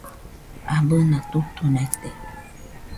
Abɨna tutunaite